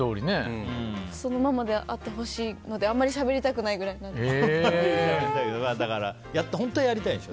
そのままであってほしいのであまりしゃべりたくないぐらい本当はやりたいんでしょ。